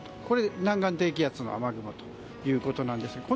これ、南岸低気圧の雨雲ということです。